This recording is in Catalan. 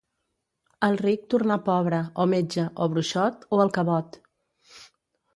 El ric tornar pobre, o metge, o bruixot, o alcavot.